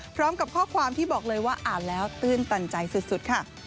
พร้อมกับข้อความที่บอกเลยว่าอ่านแล้วตื้นตันใจสุดค่ะ